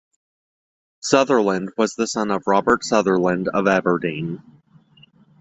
Sutherland was the son of Robert Sutherland of Aberdeen.